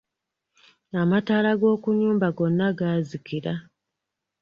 Amataala g'okunnyumba gonna gaazikila.